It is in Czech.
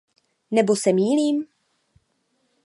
Nebo se mýlím?